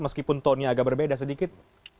meskipun tonenya agak berbeda sedikit